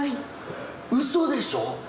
ウソでしょ！